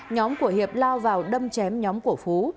nhóm của hiệp lao vào đâm chém nhóm của phú